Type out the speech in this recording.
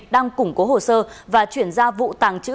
đang củng cố hồ sơ và chuyển ra vụ tàng trữ